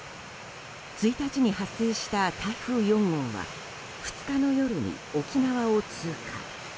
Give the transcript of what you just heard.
１日に発生した台風４号は２日の夜に沖縄を通過。